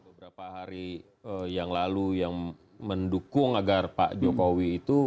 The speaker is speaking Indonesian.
beberapa hari yang lalu yang mendukung agar pak jokowi itu